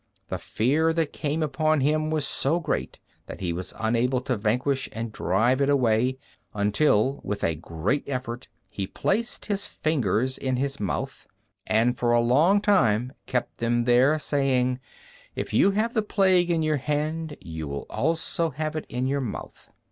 The fear that came upon him was so great that he was unable to vanquish and drive it away, until with a great effort he placed his fingers in his mouth, and for a long time kept them there, saying, "If you have the plague in your hand, you will also have it in your mouth."